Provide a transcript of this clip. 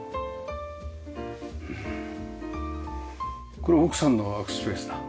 これ奥さんのワークスペースだ。